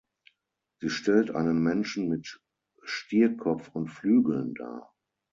Sie stellt einen Menschen mit Stierkopf und Flügeln dar.